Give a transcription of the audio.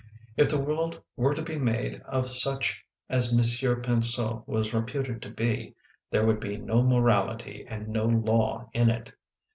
If the world were to be made of such as Monsieur Pinseau was reputed to be, there would be no morality and no law in it.